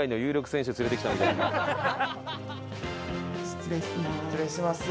失礼します。